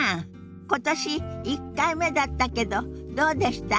今年１回目だったけどどうでした？